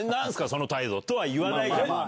その態度」とは言わない。